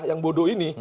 yang bodoh ini